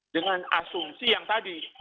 dengan asumsi yang tadi